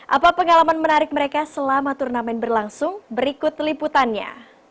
apa pengalaman menarik mereka selama turnamen berlangsung berikut liputannya